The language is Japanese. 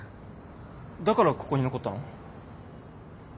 だからここに残ったの？